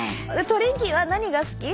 トリンキーは何が好き？